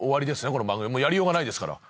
やりようがないですから。